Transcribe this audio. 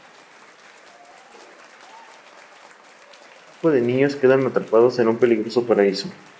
Un grupo de niños quedan atrapados en un peligroso paraíso.